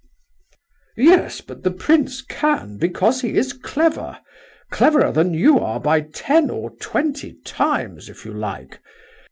"Yes, but the prince can, because he is clever—cleverer than you are by ten or twenty times, if you like.